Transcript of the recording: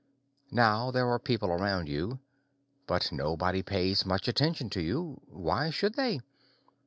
Now there are people around you, but nobody pays much attention to you. Why should they?